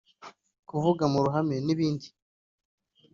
kuvuga mu ruhamen’ibindi